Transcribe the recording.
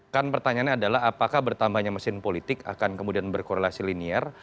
kan pertanyaannya adalah apakah bertambahnya mesin politik akan kemudian berkorelasi linier